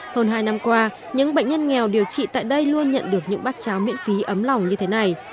hơn hai năm qua những bệnh nhân nghèo điều trị tại đây luôn nhận được những bát cháo miễn phí ấm lòng như thế này